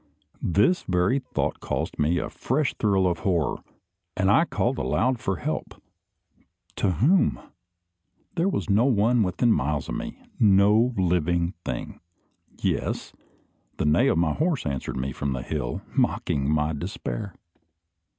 This very thought caused me a fresh thrill of horror, and I called aloud for help. To whom? There was no one within miles of me no living thing. Yes! the neigh of my horse answered me from the hill, mocking my despair.